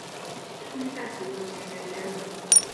Што не так з беларускім медыярынкам?